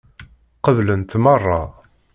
Qeblent meṛṛa.